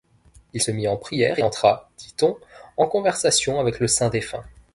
Il se mit en prière et entra, dit-on, en conversation avec le saint défunt.